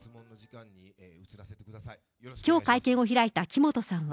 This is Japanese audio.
きょう会見を開いた木本さんは。